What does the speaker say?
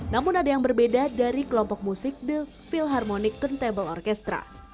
namun ada yang berbeda dari kelompok musik the philharmonic turntable orkestra